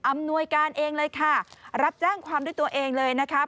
หน่วยการเองเลยค่ะรับแจ้งความด้วยตัวเองเลยนะครับ